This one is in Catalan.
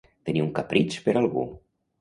Tenir un capritx per algú.